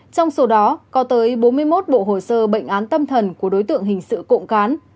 trong số đó có tới bốn mươi một bộ hồ sơ bệnh án tâm thần của đối tượng hình sự cộng cán